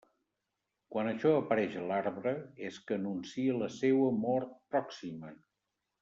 Quan això apareix a l'arbre, és que anuncia la seua mort pròxima.